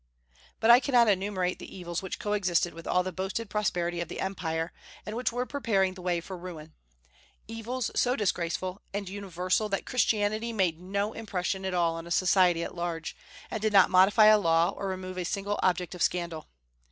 But I cannot enumerate the evils which coexisted with all the boasted prosperity of the Empire, and which were preparing the way for ruin, evils so disgraceful and universal that Christianity made no impression at all on society at large, and did not modify a law or remove a single object of scandal.